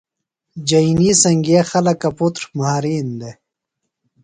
جئینی سنگئے خلکہ پُتر مھارِین دےۡ۔